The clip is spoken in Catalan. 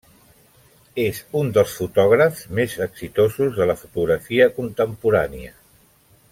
És un dels fotògrafs més exitosos de la fotografia contemporània.